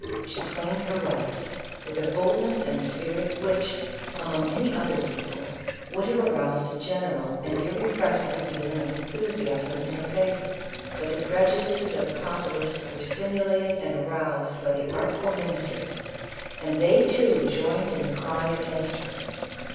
She claimed her rights, with a boldness and spirit which, among any other people, would have aroused a general and irrepressible feeling of enthusiasm in her favor ; but the prejudices of the populace were stimulated and aroused by the artful ministers, and they, too, joined in the cry against her.